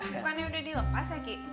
bukannya udah dilepas aki